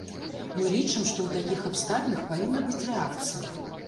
Мы лічым, што ў такіх абставінах павінна быць рэакцыя.